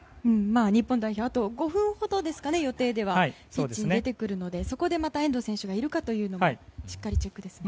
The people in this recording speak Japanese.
日本代表、予定ではあと５分ほどでピッチに出てくるのでそこに遠藤選手がいるかというのもしっかりチェックですね。